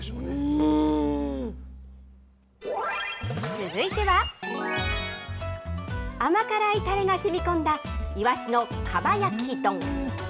続いては、甘辛いたれがしみこんだいわしのかば焼き丼。